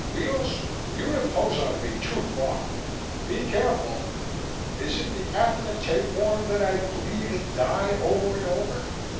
"Weels, you impose on me too far! Be careful! Is it the act of a tapeworm that I bleed and die, over and over?